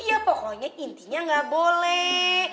ya pokoknya intinya gak boleh